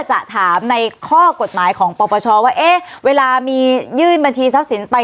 จะถามในข้อกฎหมายของปปชว่าเอ๊ะเวลามียื่นบัญชีทรัพย์สินไป